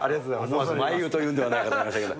思わず、まいうーと言うんじゃないかと思いましたけれども。